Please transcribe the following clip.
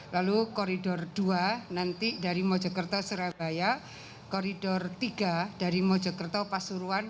lalu koridor dua nanti dari mojokerto surabaya koridor tiga dari mojokerto pasuruan